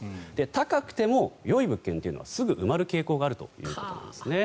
高くても、よい物件というのはすぐ埋まる傾向があるということなんですね。